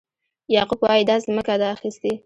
یعقوب وایي دا ځمکه ده اخیستې.